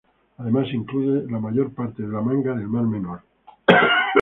Además incluye la mayor parte de la Manga del Mar Menor.